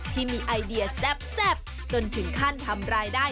ที่มีไอเดียแซ่บจนถึงขั้นทำรายได้